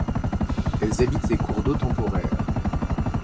Elles habitent les cours d'eau temporaires.